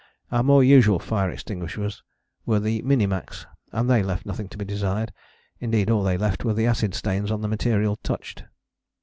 Our more usual fire extinguishers were Minimax, and they left nothing to be desired: indeed, all they left were the acid stains on the material touched.